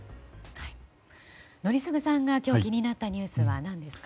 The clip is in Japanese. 宜嗣さんが今日気になったニュースは何ですか？